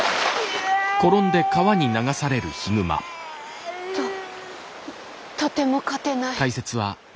わあ！ととても勝てない。